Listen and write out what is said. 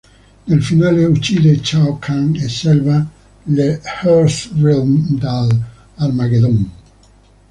Nel finale uccide Shao Kahn e salva l'Earthrealm dall'Armageddon.